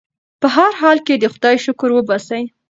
په هر حال کې د خدای شکر وباسئ.